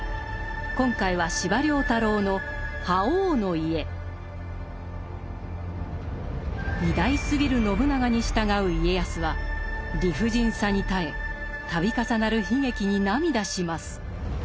今回は司馬太郎の「覇王の家」。偉大すぎる信長に従う家康は理不尽さに耐え度重なる悲劇に涙します。